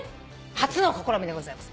初の試みでございます。